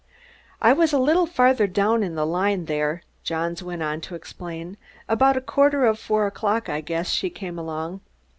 "I was a little farther down the line there," Johns went on to explain. "About a quarter of four o'clock, I guess, she came along.